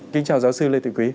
kính chào giáo sư lê thị quý